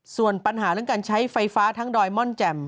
ส่วนปัญหาเรื่องการใช้ไฟฟ้าทั้งดอยม่อนแจ่ม